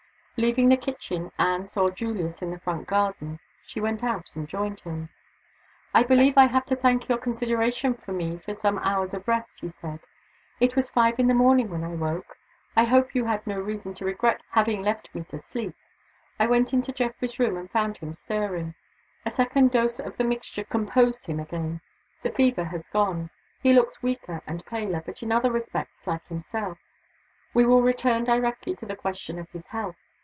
Leaving the kitchen, Anne saw Julius in the front garden. She went out and joined him. "I believe I have to thank your consideration for me for some hours of rest," he said. "It was five in the morning when I woke. I hope you had no reason to regret having left me to sleep? I went into Geoffrey's room, and found him stirring. A second dose of the mixture composed him again. The fever has gone. He looks weaker and paler, but in other respects like himself. We will return directly to the question of his health.